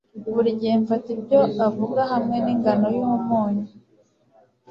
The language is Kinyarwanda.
Buri gihe mfata ibyo avuga hamwe ningano yumunyu.